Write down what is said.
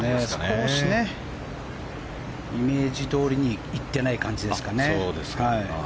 少しイメージどおりに行ってない感じですね。